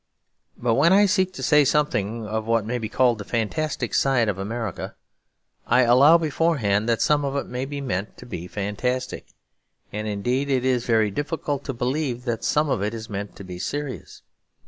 But when I seek to say something of what may be called the fantastic side of America, I allow beforehand that some of it may be meant to be fantastic. And indeed it is very difficult to believe that some of it is meant to be serious.